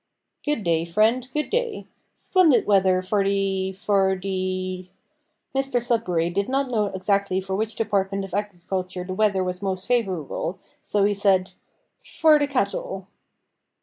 "Good day, friend, good day. Splendid weather for the for the " Mr Sudberry did not know exactly for which department of agriculture the weather was most favourable, so he said "for the cattle."